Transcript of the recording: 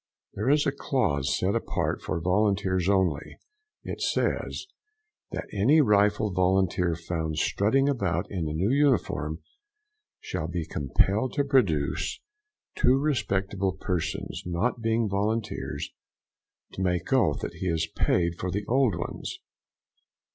There is a clause set apart for volunteers only: it says that any rifle volunteer found strutting about in a new uniform, shall be compelled to produce two respectable persons not being volunteers, to make oath that he has paid for the old ones.